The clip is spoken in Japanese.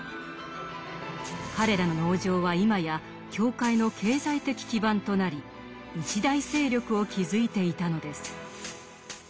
彼らの農場は今や教会の経済的基盤となり一大勢力を築いていたのです。